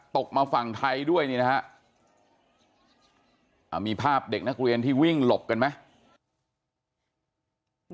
ตกมาฝั่งไทยด้วยนี่นะฮะมีภาพเด็กนักเรียนที่วิ่งหลบกันไหม